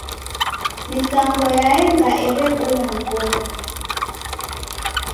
Mizango yaenga erebonywa ni w'omi.